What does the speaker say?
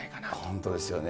本当ですよね。